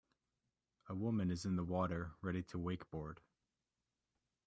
A woman is in the water ready to wakeboard.